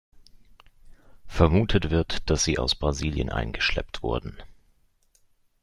Vermutet wird, dass sie aus Brasilien eingeschleppt wurden.